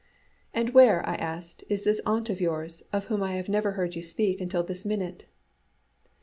"And where," I asked, "is this aunt of yours, of whom I have never heard you speak until this minute?"